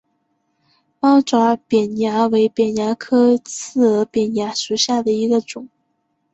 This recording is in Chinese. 猫爪扁蚜为扁蚜科刺额扁蚜属下的一个种。